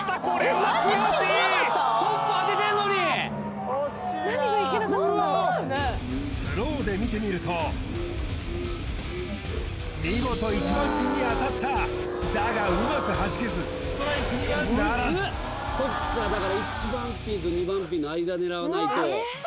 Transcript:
これは悔しいスローで見てみると見事１番ピンに当たっただがうまくはじけずストライクにはならずうわ！